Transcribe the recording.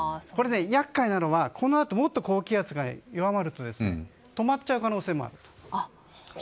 やっかいなのはこのあと、もっと高気圧が弱まると止まっちゃう可能性もある。